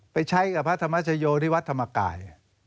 ไปใช้กับพระธรรมชโยที่วัดธรรมกาย